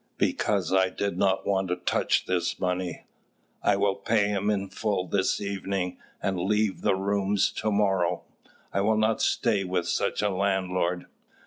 "Because I did not want to touch this money. I will pay him in full this evening, and leave the rooms to morrow. I will not stay with such a landlord."